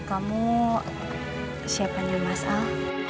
kamu siapannya mas al